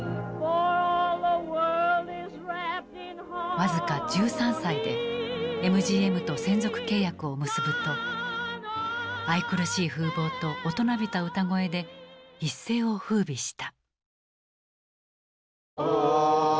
僅か１３歳でＭＧＭと専属契約を結ぶと愛くるしい風貌と大人びた歌声で一世を風靡した。